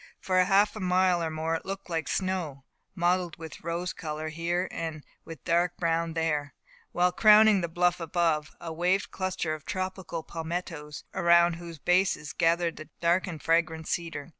For half a mile or more it looked like snow, mottled with rose colour here, and with dark brown there; while, crowning the bluff above, waved a cluster of tropical palmettoes, around whose bases gathered the dark and fragrant cedar.